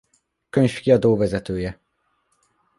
Könyvkiadó vezetője.